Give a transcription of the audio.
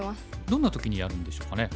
どんな時にやるんでしょうかね。